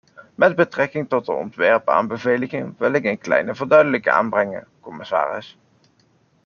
Met betrekking tot ontwerpaanbevelingen wil ik een kleine verduidelijking aanbrengen, commissaris.